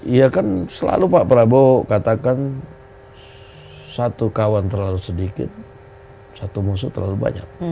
iya kan selalu pak prabowo katakan satu kawan terlalu sedikit satu musuh terlalu banyak